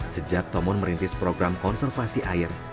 sejak tomon merintis program konservasi air